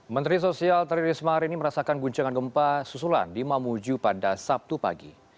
menteri sosial tri risma hari ini merasakan guncangan gempa susulan di mamuju pada sabtu pagi